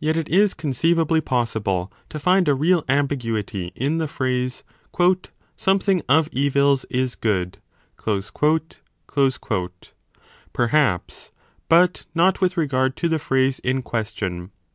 Yet it is con ceivably possible to find a real ambiguity in the phrase "Something of evils is good". Perhaps, but not with 15 regard to the phrase in question.